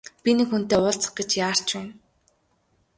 Би нэг хүнтэй уулзах гэж яарч байна.